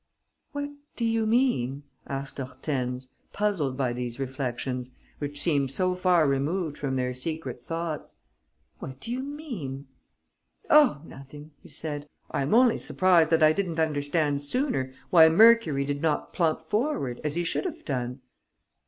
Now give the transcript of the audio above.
"What do you mean?" asked Hortense, puzzled by these reflections, which seemed so far removed from their secret thoughts. "What do you mean?" "Oh, nothing!" he said. "I am only surprised that I didn't understand sooner why Mercury did not plump forward, as he should have done."